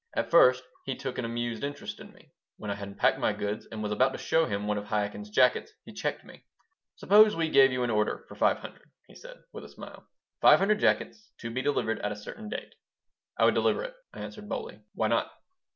At first he took an amused interest in me. When I had unpacked my goods and was about to show him one of Chaikin's jackets he checked me "Suppose we gave you an order for five hundred," he said, with a smile; "five hundred jackets to be delivered at a certain date." "I would deliver it," I answered, boldly. "Why not?"